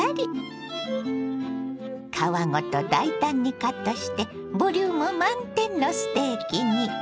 皮ごと大胆にカットしてボリューム満点のステーキに。